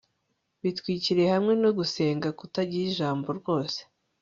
bitwikiriye hamwe no gusenga kutagira ijambo rwose